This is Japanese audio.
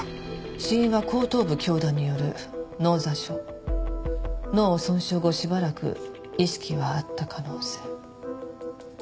「死因は後頭部強打による脳挫傷脳を損傷後しばらく意識はあった可能性」